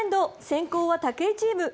先攻は武井チーム。